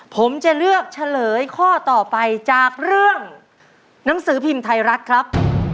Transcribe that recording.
ผมจะเลือกเฉลยข้อต่อไปจากเรื่องหนังสือพิมพ์ไทยรัฐครับ